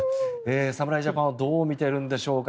侍ジャパンをどう見ているんでしょうか。